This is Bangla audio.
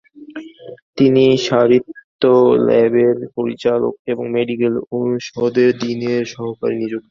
তিনি শারীরতত্ত্ব ল্যাবের পরিচালক এবং মেডিকেল অনুষদের ডীনের সহকারী নিযুক্ত হন।